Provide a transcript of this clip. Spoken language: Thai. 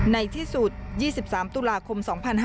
ในที่สุด๒๓ตุลาคม๒๕๕๙